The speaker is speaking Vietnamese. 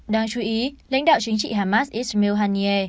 đáng chú ý lãnh đạo chính trị hamas israel haniye